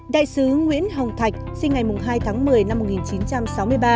đại sứ nguyễn hồng thạch sinh ngày hai tháng một mươi năm một nghìn chín trăm sáu mươi ba